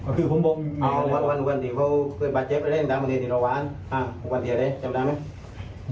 ก็คือผมบอกเอ้าวันวันวันที่เขาเคยบาดเจ็บแล้วได้ตามวันที่ที่เราหวานอ้าววันที่อะไรจำได้ไหม